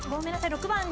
６番。